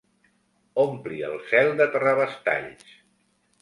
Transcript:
Ompli el cel de terrabastalls.